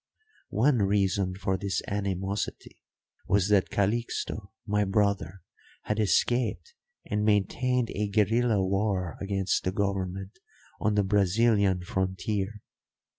One reason for this animosity was that Calixto, my brother, had escaped and maintained a guerilla war against the government on the Brazilian frontier.